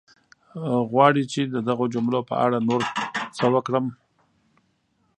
غواړې چې د دغو جملو په اړه نور څه وکړم؟